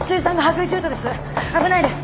危ないです！